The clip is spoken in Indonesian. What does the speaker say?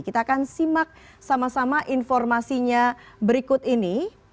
kita akan simak sama sama informasinya berikut ini